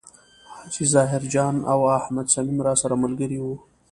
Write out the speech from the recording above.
حاجي ظاهر جان او احمد صمیم راسره ملګري و.